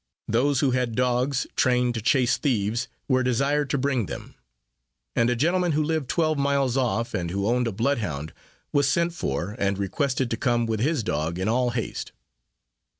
Those who had dogs, trained to chase thieves, were desired to bring them; and a gentleman who lived twelve miles off, and who owned a blood hound, was sent for, and requested to come with his dog, in all haste.